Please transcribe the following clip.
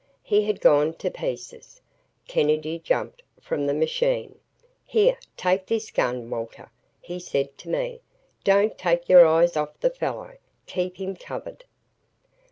He had gone to pieces. Kennedy jumped from the machine. "Here, take this gun, Walter," he said to me. "Don't take your eyes off the fellow keep him covered."